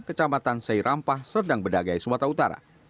kecamatan seirampah serdang bedagai sumatera utara